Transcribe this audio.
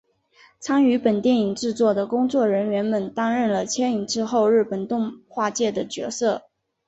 参与本电影制作的工作人员们担任了牵引之后日本动画界的角色。